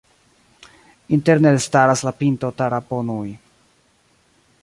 Interne elstaras la pinto Taraponui.